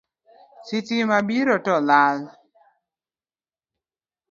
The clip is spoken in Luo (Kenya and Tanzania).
Sitima biro to lal